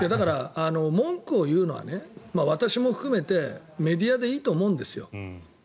文句を言うのは私も含めてメディアでいいと思うんですよ。